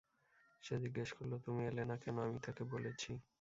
সে জিজ্ঞেস করলো তুমি এলে না কেন, আমি তাকে বলেছি।